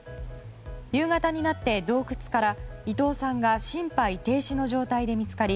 夕方になって洞窟から伊東さんが心肺停止の状態で見つかり